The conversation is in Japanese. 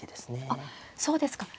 あっそうですか。